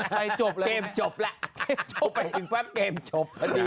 ไปจบแล้วเกมจบละไปถึงความเกมจบพอดี